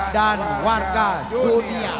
dan warga dunia